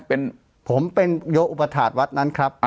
ผมเป็นโยอุปถาวัดนั้นครับ